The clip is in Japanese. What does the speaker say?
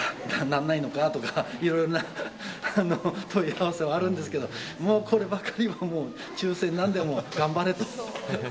なんない？とか、いろいろな問い合わせはあるんですけど、こればかりはもう、抽せんなんでもう、頑張れと。